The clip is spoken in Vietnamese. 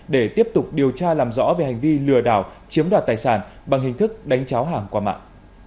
để tiếp tục điều tra làm rõ về hành vi lừa đảo chiếm đoạt tài sản bằng hình thức đánh cháo hàng qua mạng